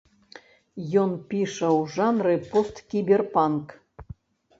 Ён піша ў жанры посткіберпанк.